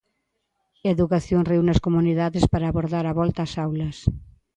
Educación reúne as comunidades para abordar a volta ás aulas.